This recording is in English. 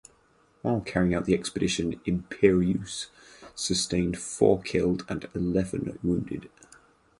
While carrying out the expedition "Imperieuse" sustained four killed and eleven wounded.